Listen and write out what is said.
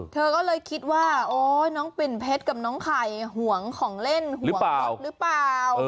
เธอก็เลยคิดว่าโอ๊ยน้องปิ่นเพชรกับน้องไข่ห่วงของเล่นห่วงน็อกหรือเปล่า